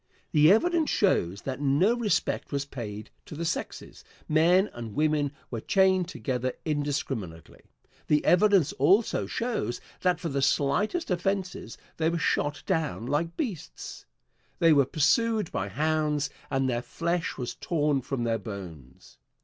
The evidence shows that no respect was paid to the sexes men and women were chained together indiscriminately. The evidence also shows that for the slightest offences they were shot down like beasts. They were pursued by hounds, and their flesh was torn from their bones.